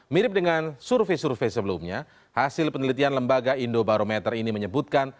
mirip dengan survei survei sebelumnya hasil penelitian lembaga indobarometer ini menyebutkan